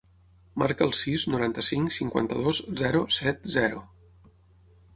Marca el sis, noranta-cinc, cinquanta-dos, zero, set, zero.